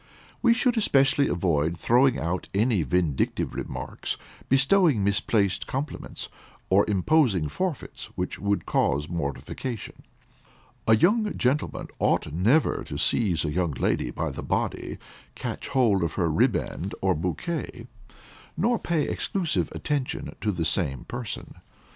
We should especially avoid throwing out any vindictive remarks, bestowing misplaced compliments, or imposing forfeits which would cause mortification. A young gentleman ought never to seize a young lady by the body, catch hold of her ribband or bouquet, nor pay exclusive attention to the same person.